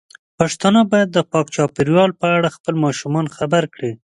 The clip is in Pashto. پښتانه بايد د پاک چاپیریال په اړه خپل ماشومان خبر کړي.